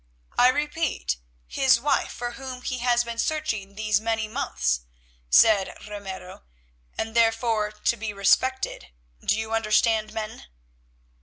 "I repeat—his wife, for whom he has been searching these many months," said Ramiro, "and, therefore, to be respected. Do you understand, men?"